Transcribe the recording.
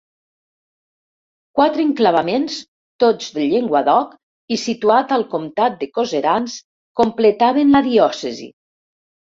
Quatre enclavaments, tots del Llenguadoc i situats al comtat de Coserans, completaven la diòcesi.